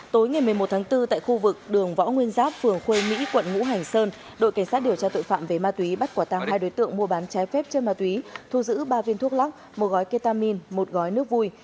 tối ngày một mươi một tháng bốn tại khu vực đường võ nguyên giáp phường khuê mỹ quận ngũ hành sơn đội cảnh sát điều tra tội phạm về ma túy bắt quả tăng hai đối tượng mua bán trái phép trên ma túy thu giữ ba viên thuốc lắc một gói ketamin một gói nước vui